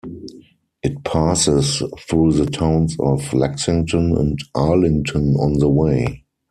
It passes through the towns of Lexington and Arlington on the way.